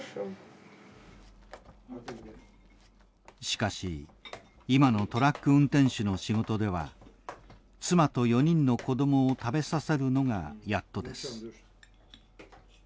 しかし今のトラック運転手の仕事では妻と４人の子供を食べさせるのがやっとです。